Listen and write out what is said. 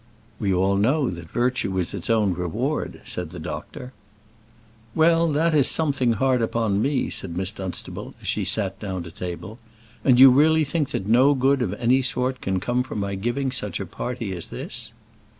"We all know that virtue is its own reward," said the doctor. "Well, that is something hard upon me," said Miss Dunstable, as she sat down to table. "And you really think that no good of any sort can come from my giving such a party as this?"